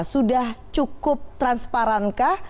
sudah cukup transparankah